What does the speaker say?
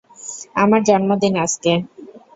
আমার জন্মদিন আজকে।